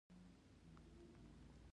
ویما کدفیسس واکمني پراخه کړه